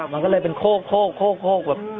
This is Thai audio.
มันก็เลยเป็นโค้กโค้กโค้กโค้ก